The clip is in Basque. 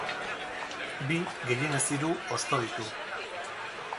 Bi, gehienez hiru, hosto ditu.